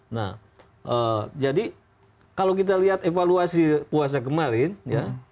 nah jadi kalau kita lihat evaluasi puasa kemarin ya